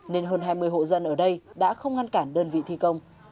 nên hơn hai mươi hộ dân ở đây đã không ngăn cản đơn vị thi công